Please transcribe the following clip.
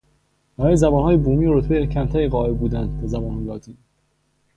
برای زبانهای بومی رتبهی کمتری قائل بودند تا زبان لاتین.